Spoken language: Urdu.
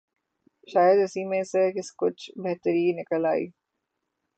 شاید اسی میں سے کچھ بہتری نکل آئے۔